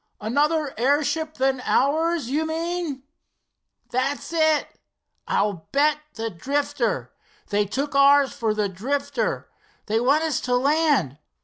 "Another airship than ours, you mean?" "That's it, and I'll bet the Drifter! They took ours for the Drifter. They want us to land.